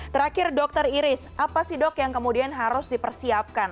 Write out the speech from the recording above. terakhir dokter iris apa sih dok yang kemudian harus dipersiapkan